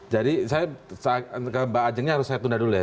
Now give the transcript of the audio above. jadi saya mbak ajengnya harus saya tunda dulu ya